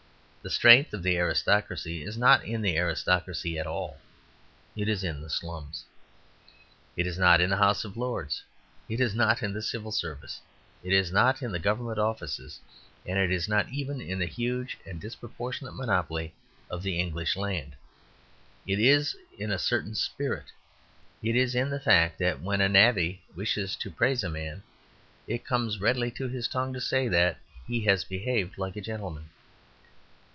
The strength of the aristocracy is not in the aristocracy at all; it is in the slums. It is not in the House of Lords; it is not in the Civil Service; it is not in the Government offices; it is not even in the huge and disproportionate monopoly of the English land. It is in a certain spirit. It is in the fact that when a navvy wishes to praise a man, it comes readily to his tongue to say that he has behaved like a gentleman.